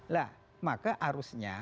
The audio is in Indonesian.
lah maka harusnya